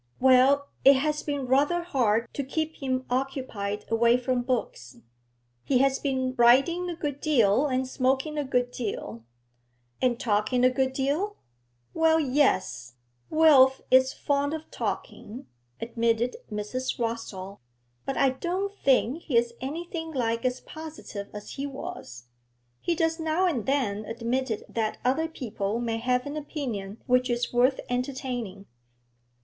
'Well, it has been rather hard to keep him occupied away from books. He has been riding a good deal, and smoking a good deal.' 'And talking a good deal?' 'Well, yes, Wilf is fond of talking,' admitted Mrs. Rossall, 'but I don't think he's anything like as positive as he was. He does now and then admit that other people may have an opinion which is worth entertaining.